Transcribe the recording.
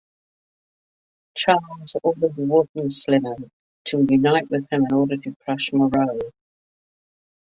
Charles ordered Wartensleben to unite with him in order to crush Moreau.